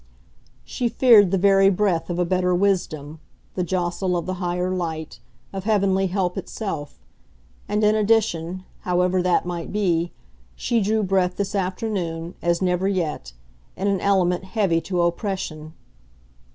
She feared the very breath of a better wisdom, the jostle of the higher light, of heavenly help itself; and, in addition, however that might be, she drew breath this afternoon, as never yet, in an element heavy to oppression.